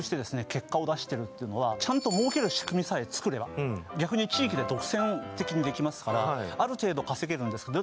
結果を出してるっていうのはちゃんと儲ける仕組みさえ作れば逆に地域で独占的にできますからある程度稼げるんですけど